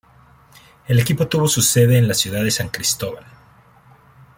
El equipo tuvo su sede en la ciudad de San Cristóbal.